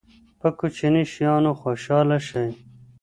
په کوچنیو شیانو خوشحاله شئ.